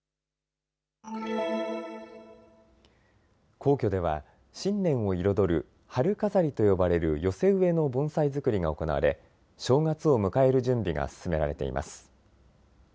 皇居では新年を彩る春飾りと呼ばれる寄せ植えの盆栽作りが行われ、正月を迎える準備が進められています。